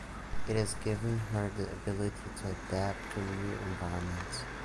It has given her the ability to adapt to new environments.